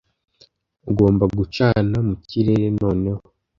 ugomba gucana mu kirere noneho